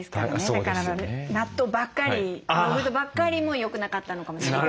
だから納豆ばっかりヨーグルトばっかりもよくなかったのかもしれない。